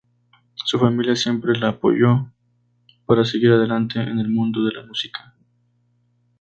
Su familia siempre la apoyó para seguir adelante en el mundo de la música.